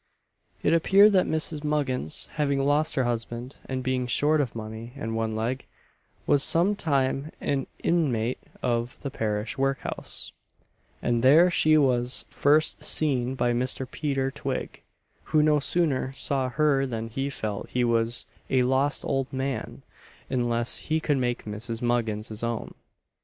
It appeared that Mrs. Muggins having lost her husband, and being short of money and one leg, was some time an inmate of the parish workhouse; and there she was first seen by Mr. Peter Twig, who no sooner saw her than he felt he was a lost old man, unless he could make Mrs. Muggins his own.